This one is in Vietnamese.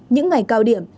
những ngày cao điểm